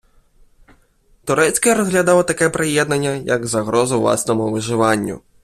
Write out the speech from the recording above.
Турецьке розглядало таке приєднання як загрозу власному виживанню.